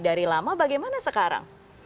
dari lama bagaimana sekarang